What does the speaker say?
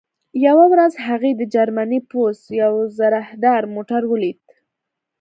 یوه ورځ هغې د جرمني پوځ یو زرهدار موټر ولید